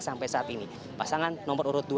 sampai saat ini pasangan nomor urut dua